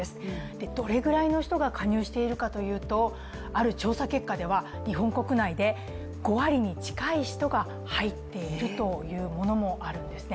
どれぐらいの人が加入しているかというと、ある調査結果では日本国内で５割に近い人が入っているというものもあるんですね。